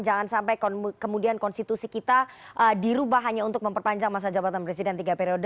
jangan sampai kemudian konstitusi kita dirubah hanya untuk memperpanjang masa jabatan presiden tiga periode